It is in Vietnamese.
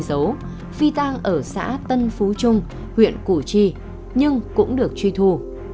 tên hiếu phi tăng ở xã tân phú trung huyện củ chi nhưng cũng được truy thu